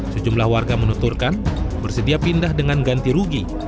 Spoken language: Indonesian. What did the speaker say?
sejumlah warga menuturkan bersedia pindah dengan ganti rugi